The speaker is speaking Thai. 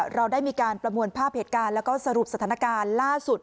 เราได้มีการประมวลภาพเหตุการณ์แล้วก็สรุปสถานการณ์ล่าสุด